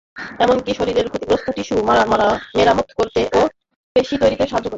এমনকি শরীরের ক্ষতিগ্রস্ত টিস্যু মেরামত করতে ও পেশি তৈরিতে সাহায্য করে।